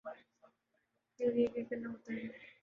کے لیے کیا کرنا ہوتا ہے